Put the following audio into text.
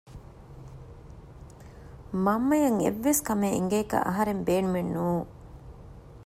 މަންމައަށް އެއްވެސް ކަމެއް އެނގޭކަށް އަހަރެން ބޭނުމެއް ނޫން